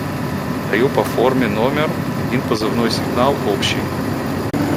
– Подаю по форме номер один позывной сигнал общий.